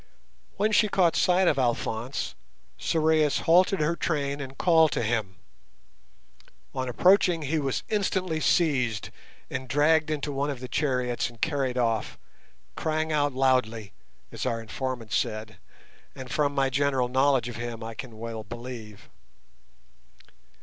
When she caught sight of Alphonse, Sorais halted her train and called to him. On approaching he was instantly seized and dragged into one of the chariots and carried off, "crying out loudly", as our informant said, and as from my general knowledge of him I can well believe.